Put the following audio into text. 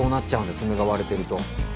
爪が割れてると。